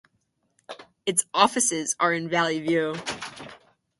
Its offices are in Valley View.